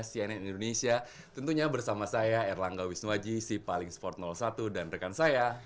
cnn indonesia tentunya bersama saya erlangga wisnuwaji si paling sport satu dan rekan saya